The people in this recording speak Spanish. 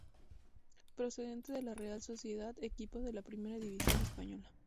Procedente de la Real Sociedad, equipo de la Primera división española.